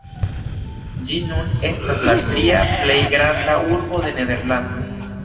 Ĝi nun estas la tria plej granda urbo de Nederlando.